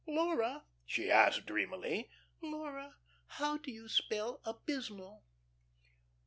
"Laura," she asked dreamily, "Laura, how do you spell 'abysmal'?"